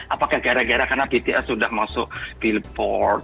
apakah gara gara karena bts sudah masuk billboard